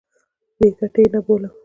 بې ګټې نه بولم.